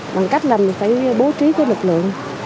bằng cách là mình phải bố trí cái lực lượng